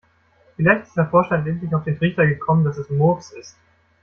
Vielleicht ist der Vorstand endlich auf den Trichter gekommen, dass es Murks ist.